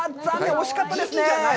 惜しかったですね。